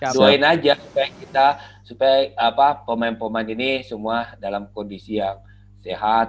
doain aja supaya kita supaya pemain pemain ini semua dalam kondisi yang sehat